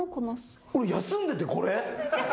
休んでてこれ？